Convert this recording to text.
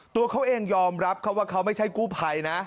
ตัวเขาเองยอมรับเขาว่าเขาไม่ใช่กู้ภัยนะ